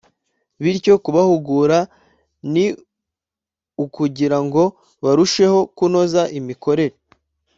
bityo kubahugura ni ukugira ngo barusheho kunoza imikorere